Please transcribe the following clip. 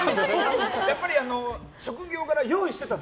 やっぱり職業柄、用意してたの。